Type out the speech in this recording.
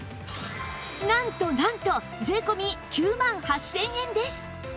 なんとなんと税込９万８０００円です